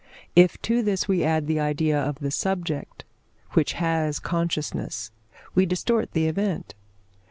If to this we add the idea of the subject, which has consciousness, we distort the event.